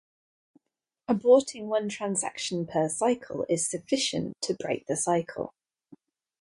Aborting one transaction per cycle is sufficient to break the cycle.